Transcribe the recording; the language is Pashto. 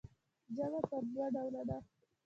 جمعه پر دوه ډوله ده.